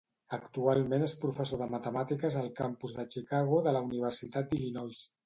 Actualment és professor de matemàtiques al campus de Chicago de la Universitat d'Illinois.